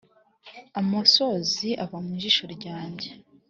amosozi ava mu jisho ryanje